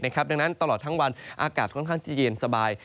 ดังนั้นตลอดทั้งวันอากาศค่อนข้างจะเย็นสบาย